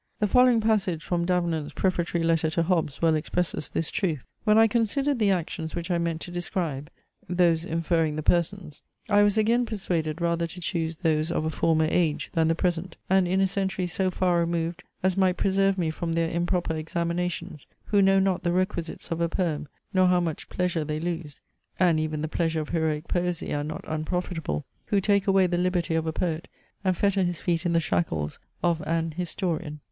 The following passage from Davenant's prefatory letter to Hobbes well expresses this truth. "When I considered the actions which I meant to describe; (those inferring the persons), I was again persuaded rather to choose those of a former age, than the present; and in a century so far removed, as might preserve me from their improper examinations, who know not the requisites of a poem, nor how much pleasure they lose, (and even the pleasures of heroic poesy are not unprofitable), who take away the liberty of a poet, and fetter his feet in the shackles of an historian.